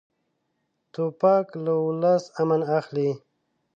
توپک له ولس امن اخلي.